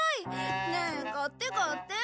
ねえ買って買って。